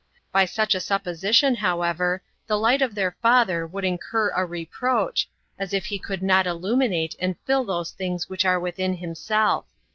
By such a supposition, however, the light of their Father would incur a reproach, as if He could not ilkiminate and fill those things which are within Himself.